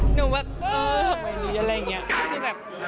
หนูแบบเออทำไมอะไรอย่างนี้